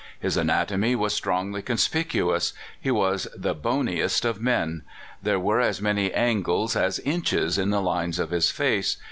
His anatomy was strongly conspicuous. He was the boniest of men. There were as many angles as inches in the lines of his face.